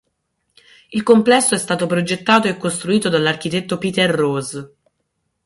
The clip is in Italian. Il complesso è stato progettato e costruito dall'architetto Peter Rose.